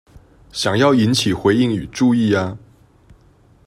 想要引起回應與注意呀